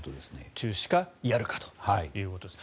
中止かやるかということですね。